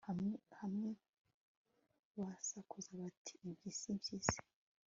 hamwe hamwe basakuza bati impyisi! impyisi